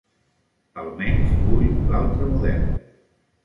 Almenys vull l'altre model.